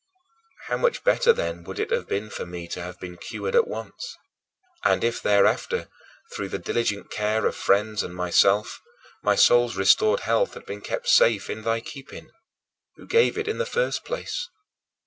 How much better, then, would it have been for me to have been cured at once and if thereafter, through the diligent care of friends and myself, my soul's restored health had been kept safe in thy keeping, who gave it in the first place!